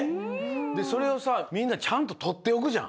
でそれをさあみんなちゃんととっておくじゃん。